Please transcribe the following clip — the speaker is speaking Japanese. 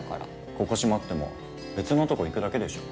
ここ閉まっても別のとこ行くだけでしょ？